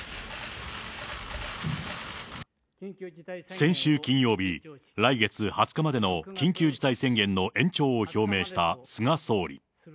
先週金曜日、来月２０日までの緊急事態宣言の延長を表明した菅総理。